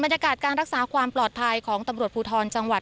การรักษาความปลอดภัยของตำรวจภูทรจังหวัด